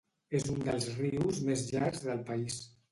És un dels rius més llargs del país.